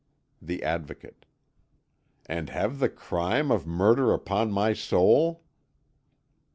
The Advocate: "And have the crime of murder upon my soul?"